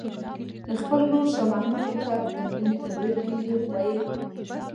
د خپل ورور شاه محمود هوتک د مړینې په ویر کې یې ویلي.